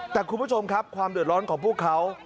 แต่คุณผู้ชมครับความเดือดร้อนของพวกเขา